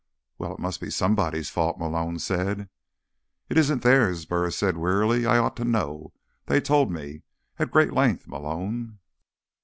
"Well, it must be somebody's fault," Malone said. "It isn't theirs," Burris said wearily, "I ought to know. They told me. At great length, Malone."